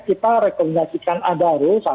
kita rekomendasikan adaro